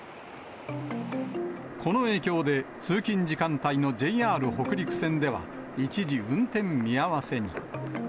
この影響で、通勤時間帯のＪＲ北陸線では、一時運転見合わせに。